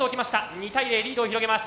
２対０リードを広げます。